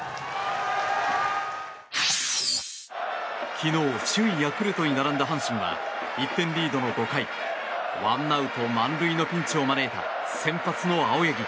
昨日首位ヤクルトに並んだ阪神は１点リードの５回ワンアウト満塁のピンチを招いた先発の青柳。